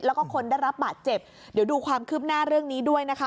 แล้วก็คนได้รับบาดเจ็บเดี๋ยวดูความคืบหน้าเรื่องนี้ด้วยนะคะ